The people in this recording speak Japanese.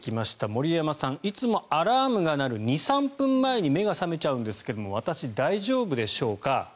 森山さん、いつもアラームが鳴る２３分前に目が覚めちゃうんですけど私、大丈夫でしょうか？